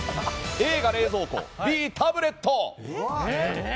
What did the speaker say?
Ａが冷蔵庫、Ｂタブレット。